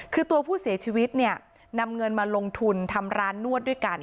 คือตัวผู้เสียชีวิตเนี่ยนำเงินมาลงทุนทำร้านนวดด้วยกัน